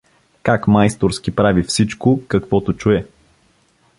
Как майсторски прави всичко, каквото чуе.